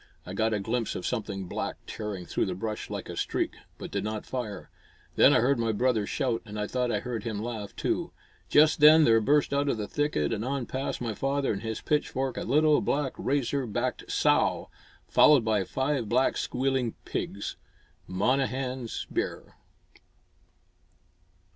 I got a glimpse of something black tearing through the brush like a streak, but did not fire. Then I heard my brother shout, and I thought I heard him laugh, too. Just then there burst out of the thicket and on past my father and his pitchfork a little black, razor backed sow, followed by five black, squealing pigs! Monnehan's bear!